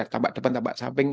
tampak depan tampak samping